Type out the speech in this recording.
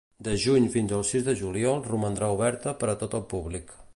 De juny fins el sis de juliol romandrà oberta per a tot el públic.